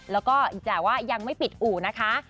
แล้วก็แต่ว่ายังไม่ปิดอู่นะคะ